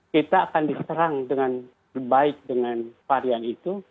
kita akan diserang dengan baik dengan varian itu